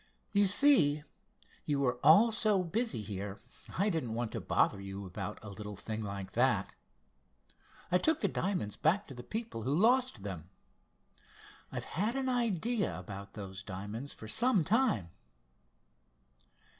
"You see, you were all so busy here I didn't want to bother you about a little thing like that. I took the diamonds back to the people who lost them. I've had an idea about those diamonds for some time."